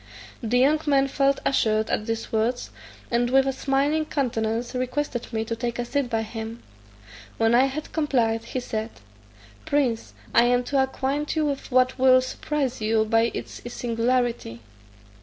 The young man felt assured at these words, and with a smiling countenance requested me to take a seat by him. When I had complied, he said "Prince, I am to acquaint you with what will surprise you by its singularity.